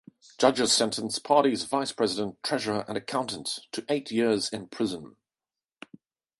Judges sentenced party's vice president, treasurer and accountant to eight years in prison.